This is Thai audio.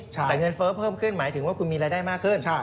แต่เงินเฟ้อเพิ่มขึ้นหมายถึงว่าคุณมีรายได้มากขึ้น